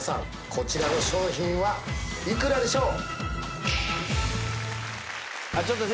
こちらの商品は幾らでしょう？